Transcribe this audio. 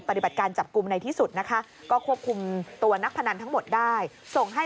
ปฏิบัติการจับกลุ่มในที่สุดนะคะก็ควบคุมตัวนักพนันทั้งหมดได้ส่งให้